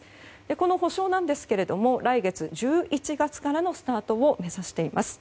この補償なんですけれども来月、１１月からのスタートを目指しています。